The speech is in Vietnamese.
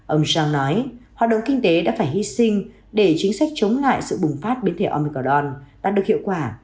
ông son nói hoạt động kinh tế đã phải hy sinh để chính sách chống lại sự bùng phát biến thể omicorn đạt được hiệu quả